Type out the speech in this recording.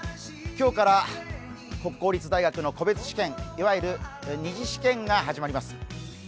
今日から国公立大学の個別試験、いわゆる二次試験が始まります。